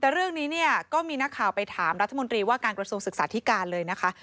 แต่เรื่องนี้เนี่ยก็มีนักข่าวไปถามรัฐมนตรีว่าการกระทรวงศึกษาธิการเลยนะคะ